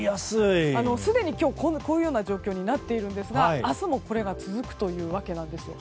すでに今日、こんな状況になっているんですが明日もこれが続くというわけです。